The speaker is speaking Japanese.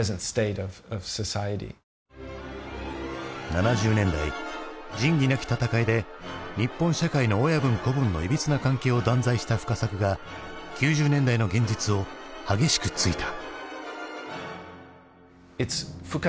７０年代「仁義なき戦い」で日本社会の親分子分のいびつな関係を断罪した深作が９０年代の現実を激しく突いた。